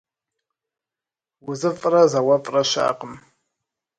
УзыфӀрэ зауэфӀрэ щыӀэкъым.